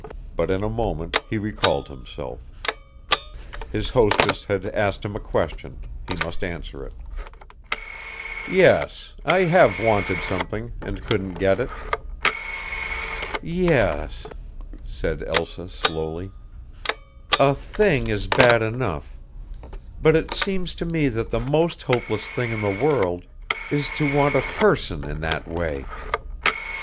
But in a moment he recalled himself. His hostess had asked him a question; he must answer it. "Yes, I have wanted something and couldn't get it." "Yes," said Elsa slowly, "a thing is bad enough; but it seems to me that the most hopeless thing in the world is to want a person in that way."